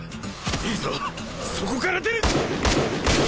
いいぞそこから出る！